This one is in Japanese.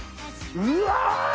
うわ！